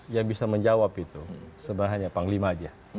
yang bisa menjawab itu sebenarnya panglima aja